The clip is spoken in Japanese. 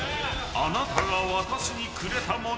あなたが私にくれたもの